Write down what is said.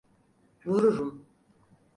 Vururum.